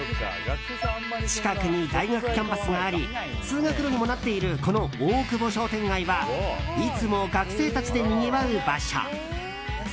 近くに大学キャンパスがあり通学路にもなっているこの大久保商店街はいつも学生たちでにぎわう場所。